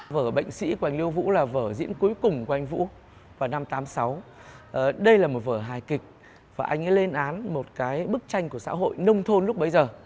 vở bệnh sĩ của anh liêu vũ là vở diễn cuối cùng của anh vũ vào năm tám mươi sáu đây là một vở hài kịch và anh ấy lên án một cái bức tranh của xã hội nông thôn lúc bấy giờ